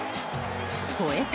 越えた？